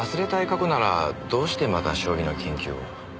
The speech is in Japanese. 過去ならどうしてまた将棋の研究を？